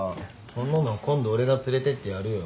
そんなのは今度俺が連れてってやるよ。